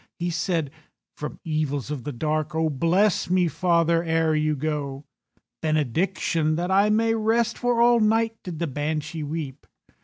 He said, "From evils of the dark Oh, bless me, father, ere you go. "Benediction, that I may rest, For all night did the Banshee weep."